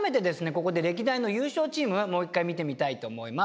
ここで歴代の優勝チームもう一回見てみたいと思います。